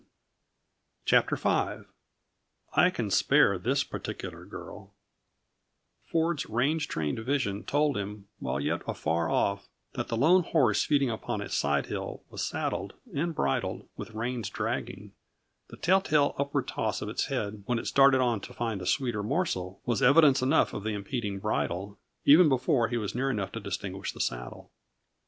CHAPTER V "I Can Spare this Particular Girl" Ford's range trained vision told him, while yet afar off, that the lone horse feeding upon a side hill was saddled and bridled, with reins dragging; the telltale, upward toss of its head when it started on to find a sweeter morsel was evidence enough of the impeding bridle, even before he was near enough to distinguish the saddle.